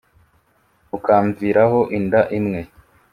ukamviraho inda imwe